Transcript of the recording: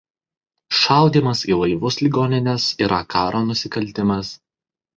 Šaudymas į laivus ligonines yra karo nusikaltimas.